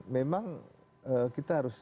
memang kita harus